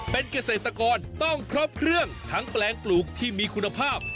เป็นเกษตรกรต้องครบเครื่องทั้งแปลงปลูกที่มีคุณภาพ